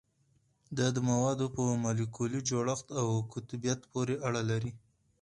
دا د موادو په مالیکولي جوړښت او قطبیت پورې اړه لري